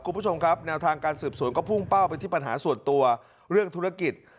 คุณผู้ชมครับแนวทางการสืบสวนก็พุ่งเป้าไปที่ปัญหาส่วนตัวเรื่องธุรกิจ